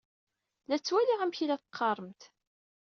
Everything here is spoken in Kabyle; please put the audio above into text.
La ttwaliɣ amek i la teqqaṛemt.